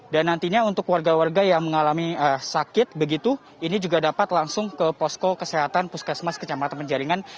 dan nantinya untuk warga warga yang mengalami sakit begitu ini juga dapat langsung ke posko kesehatan puskesmas kecamatan penjaringan